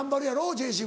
ジェーシー。